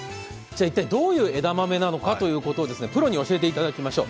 一体どういう枝豆なのかということをプロに教えていただきましょう。